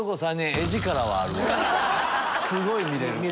すごい見れる。